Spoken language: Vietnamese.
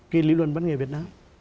cái lý luận văn nghệ việt nam